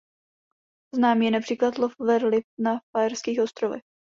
Známý je například lov velryb na Faerských ostrovech.